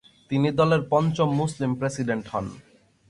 তিনি দলের পঞ্চম মুসলিম প্রেসিডেন্ট হন।